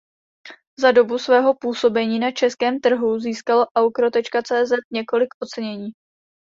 Za dobu svého působení na českém trhu získalo Aukro.cz několik ocenění.